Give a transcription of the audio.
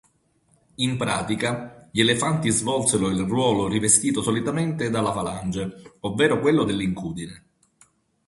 In pratica, gli elefanti svolsero il ruolo rivestito solitamente dalla falange, ovvero quello dell'incudine.